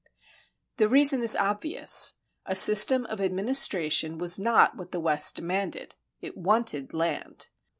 The reason is obvious; a system of administration was not what the West demanded; it wanted land.